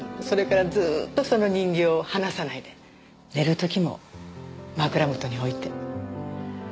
それからずっとその人形を離さないで寝る時も枕元に置いて。